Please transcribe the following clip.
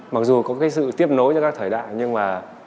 mặc dù có cái sự tiếp nối cho các thời đại nhưng mà